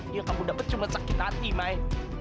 iya kamu dapet cuma sakit hati may